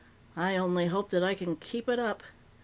"I only hope that I can keep it up.